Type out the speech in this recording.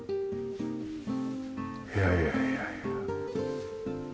いやいやいやいや。